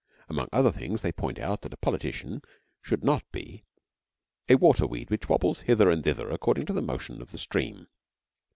Among other things they point out that a politician should not be 'a waterweed which wobbles hither and thither according to the motion of the stream.'